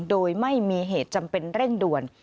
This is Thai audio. โดยไม่มีเหตุจำเป็นเร่งด่วน